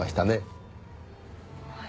はい。